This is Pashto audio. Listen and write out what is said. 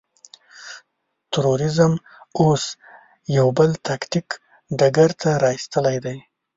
تروريزم اوس يو بل تاکتيک ډګر ته را اېستلی دی.